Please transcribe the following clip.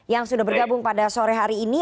yang sudah bergabung pada sore hari ini